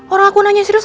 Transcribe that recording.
orang aku nanya serius